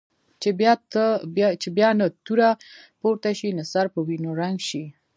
چې بیا نه توره پورته شي نه سر په وینو رنګ شي.